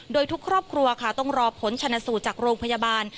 โดยทุกครอบครัวค่ะต้องรอผลชนสูตรจากโรงพยาบาล